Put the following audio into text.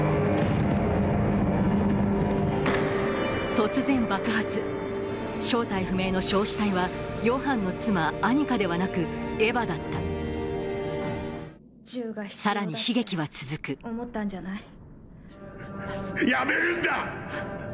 突然正体不明の焼死体はヨハンの妻アニカではなくエバだったさらに悲劇は続くやめるんだ！